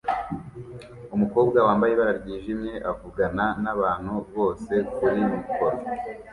Umukobwa wambaye ibara ryijimye avugana nabantu bose kuri mikoro